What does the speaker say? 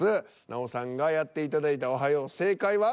奈緒さんがやっていただいた「おはよう」正解は？